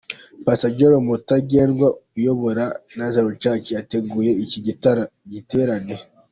Pastor Jerome Rutagengwa uyobora Nazaren Church yateguye icyi giterane.